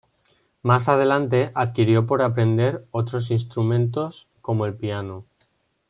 Más adelante, adquirió por aprender otros instrumentos como el piano.